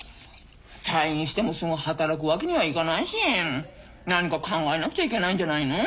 退院してもすぐ働くわけにはいかないし何か考えなくちゃいけないんじゃないの？